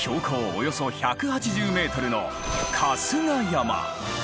およそ１８０ｍの春日山。